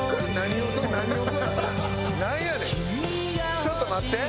ちょっと待って！